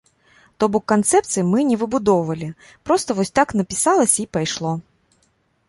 То бок канцэпцый мы не выбудоўвалі, проста вось так напісалася і пайшло.